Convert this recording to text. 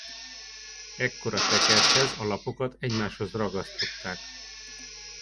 Ekkor a tekercshez a lapokat egymáshoz ragasztották.